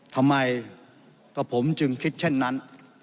ทำไมกับผมจึงคิดเช่นนั้น